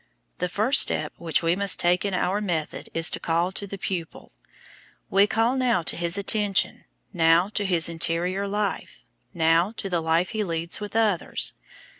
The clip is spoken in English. The first step which we must take in our method is to call to the pupil. We call now to his attention, now to his interior life, now to the life he leads with others.